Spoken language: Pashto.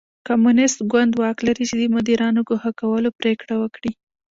کمونېست ګوند واک لري چې د مدیرانو د ګوښه کولو پرېکړه وکړي.